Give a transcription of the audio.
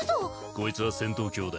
こいつは戦闘狂だ。